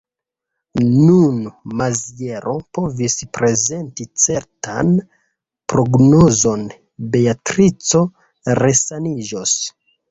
Nun Maziero povis prezenti certan prognozon: Beatrico resaniĝos.